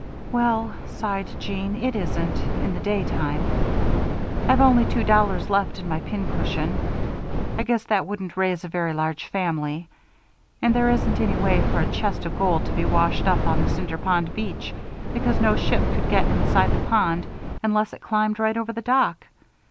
"Well," sighed Jeanne, "it isn't in the daytime. I've only two dollars left in my pincushion. I guess that wouldn't raise a very large family. And there isn't any way for a chest of gold to be washed up on the Cinder Pond beach, because no ship could get inside the pond, unless it climbed right over the dock.